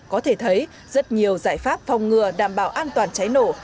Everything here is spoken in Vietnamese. có thể thấy rất nhiều giải pháp phòng ngừa đảm bảo an toàn cháy nổ